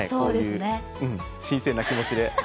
新鮮な気持ちで。